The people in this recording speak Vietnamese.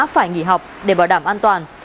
phải nghỉ học để bảo đảm an toàn